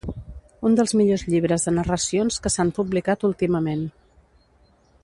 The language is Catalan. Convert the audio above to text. Un dels millors llibres de narracions que s'han publicat últimament.